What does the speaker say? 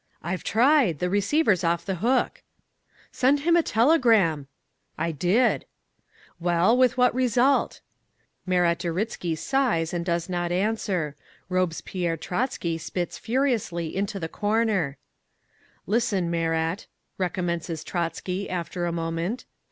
"'I've tried. The receiver's off the hook.' "'Send him a telegram.' "'I did.' "'Well, with what result?' "Marat Uritzky sighs and does not answer. Robespierre Trotzky spits furiously into the corner…. "'Listen, Marat,' recommences Trotzky, after a moment.